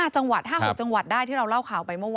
๕จังหวัด๕๖จังหวัดได้ที่เราเล่าข่าวไปเมื่อวาน